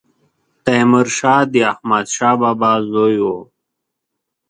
تيمورشاه د احمدشاه بابا زوی و